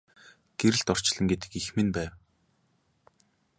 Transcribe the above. Гэрэлт орчлон гэдэг эх минь байв.